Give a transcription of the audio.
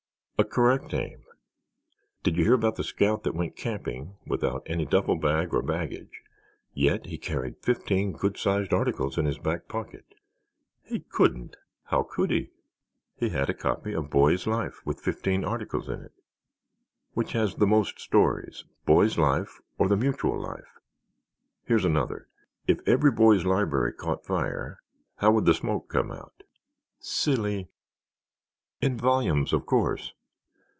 "A correct aim. Did you hear about the scout that went camping without any duffel bag or baggage, yet he carried fifteen good sized articles in his back pocket?" "He couldn't! How could he?" "He had a copy of Boys' Life with fifteen articles in it. Which has the most stories, Boy's Life or the Mutual Life? Here's another. If Every Boys' Library caught fire, how would the smoke come out?" "Silly!" "In volumes, of course.